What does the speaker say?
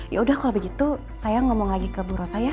yaudah kalau begitu saya ngomong lagi ke bu rosa ya